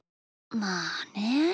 まあね。